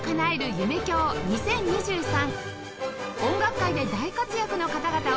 夢響２０２３